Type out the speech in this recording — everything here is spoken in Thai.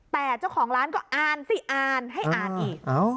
แต่เจ้าของร้านก็อ่านสิอ่านให้อ่านอีก